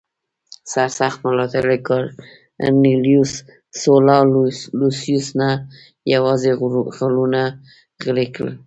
سرسخت ملاتړي کارنلیوس سولا لوسیوس نه یوازې غږونه غلي کړل